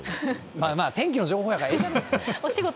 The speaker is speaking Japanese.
まあまあ、天気の情報やからええじゃないですか。